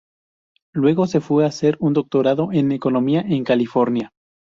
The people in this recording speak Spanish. Luego se fue a hacer un doctorado en Economía en California.